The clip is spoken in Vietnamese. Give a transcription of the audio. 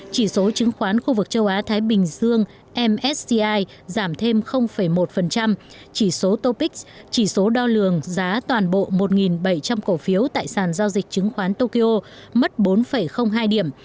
chỉ số chứng khoán khu vực châu á thái bình dương msci giảm thêm một chỉ số topics chỉ số đo lường giá toàn bộ một bảy trăm linh cổ phiếu tại sàn giao dịch chứng khoán tokyo mất bốn hai điểm